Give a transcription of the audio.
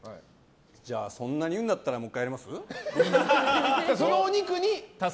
じゃあそんなに言うんだったらもう１回やります？